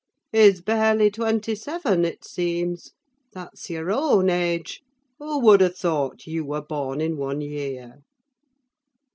He's barely twenty seven, it seems; that's your own age: who would have thought you were born in one year?"